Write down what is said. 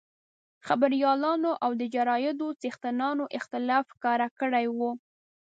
خبریالانو او د جرایدو څښتنانو اختلاف ښکاره کړی وو.